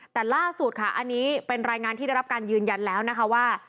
แต่ล่าสุดค่ะอันนี้เป็นรายงานที่ได้รับการยืนยันแล้วนะคะว่า